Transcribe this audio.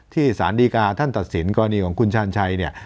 สารดีกาท่านตัดสินกรณีของคุณชาญชัยเนี่ย